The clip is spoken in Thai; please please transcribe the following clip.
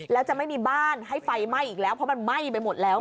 แล้วจะไม่มีบ้านให้ไฟไหม้อีกแล้วเพราะมันไหม้ไปหมดแล้ว